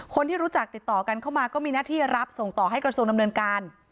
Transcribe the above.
คนที่รู้จักติดต่อกันเข้ามาก็มีหน้าที่รับส่งต่อให้กระทรวงดำเนินการ